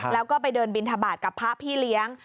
แล้วก็ไปเดินบินทบาทกับพระพี่เลี้ยง